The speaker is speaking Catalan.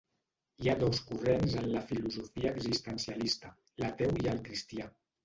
Hi ha dos corrents en la filosofia existencialista, l'ateu i el cristià.